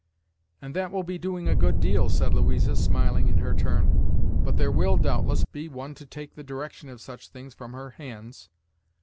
"And That will be doing a good deal," said Louisa, smiling in her turn. "But there will, doubtless, be one to take the direction of such things from her hands."